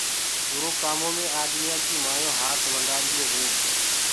اُرو ڪآمو مي آدميآ ڪي مايونٚ هآت ونڊآ دِيونٚ هينٚ۔